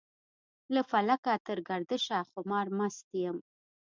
له فکله تر ګردشه خمار مست يم.